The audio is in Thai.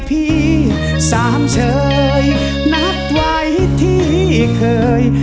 พี่สามเชยนัดไว้ที่เคย